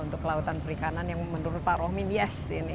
untuk kelautan perikanan yang menurut pak rohmin yes ini